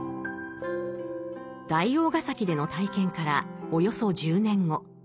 大王个崎での体験からおよそ１０年後。